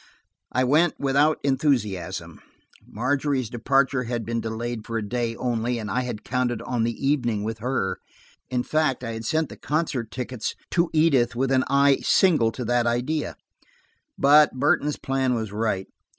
I went without enthusiasm. Margery's departure had been delayed for a day only, and I had counted on the evening with her. In fact, I had sent the concert tickets to Edith with an eye single to that idea. But Burton's plan was right.